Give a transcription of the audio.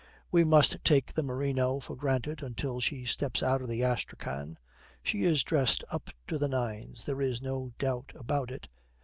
We must take the merino for granted until she steps out of the astrakhan. She is dressed up to the nines, there is no doubt about it.